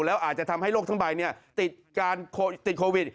แล้วอาจจะทำให้โลกทั้งใบติดการติดโควิด